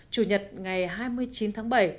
chủ nhật ngày hai mươi chín tháng bảy